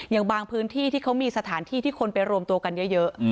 อย่างบางพื้นที่ที่เขามีสถานที่ที่คนไปรวมตัวกันเยอะ